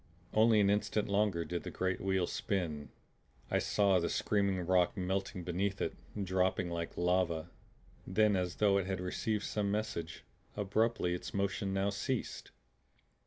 Only an instant longer did the great wheel spin. I saw the screaming rock melting beneath it, dropping like lava. Then, as though it had received some message, abruptly its motion now ceased.